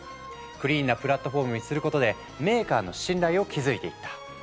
クリーンなプラットフォームにすることでメーカーの信頼を築いていった。